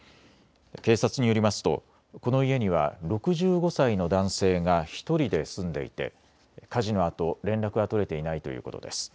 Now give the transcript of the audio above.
警察によりますとこの家には６５歳の男性が１人で住んでいて火事のあと連絡が取れていないということです。